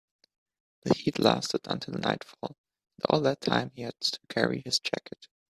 The heat lasted until nightfall, and all that time he had to carry his jacket.